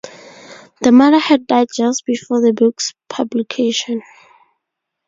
The mother had died just before the book's publication.